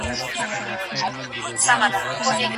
که ساینس تجربه سي، اټکل نه غلط کېږي.